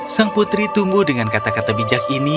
sang putri tumbuh dengan kata kata bijak ini